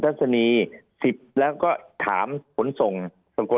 ภารกิจสรรค์ภารกิจสรรค์